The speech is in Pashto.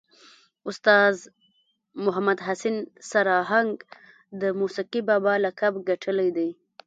استاذ محمد حسین سر آهنګ د موسیقي بابا لقب ګټلی دی.